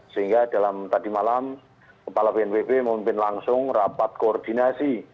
sehingga dalam tadi malam bapak kepala bnbb memimpin langsung rapat koordinat